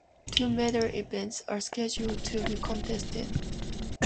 Two medal events are scheduled to be contested.